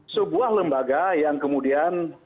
sebuah lembaga yang kemudian